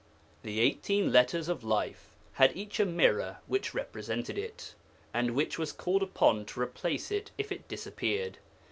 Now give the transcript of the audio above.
'The eighteen Letters of Life had each a mirror which represented it, and which was called upon to replace it if it disappeared.